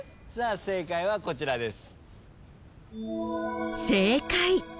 正解はこちらです。